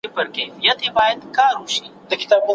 کېدای سي د استاد لارښووني ستا څېړنه بشپړه کړي.